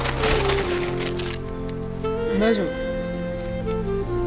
大丈夫？